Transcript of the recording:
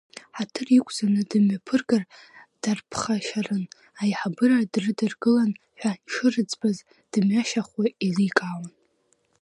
Ҳаҭыр иқәҵаны дымҩаԥыргар дарԥхашьарын, аиҳабыра дрыдгыларын ҳәа шырыӡбаз дымҩашьахуа еиликаауан.